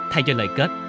thay cho lời kết